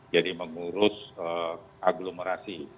jadi mengurus aglomerasi